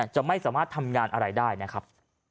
จะไม่สามารถทำงานอะไรได้นะครับ